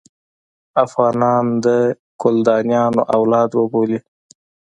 افغانان د کلدانیانو اولاد وبولي.